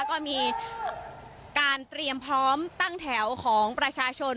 ก็มีการเตรียมพร้อมตั้งแถวของประชาชน